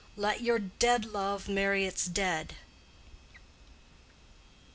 Let your dead love Marry its dead.